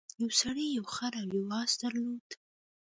یو سړي یو خر او یو اس درلودل.